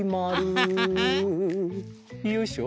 よいしょ。